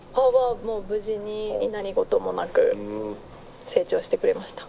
もう無事に何事もなく成長してくれました。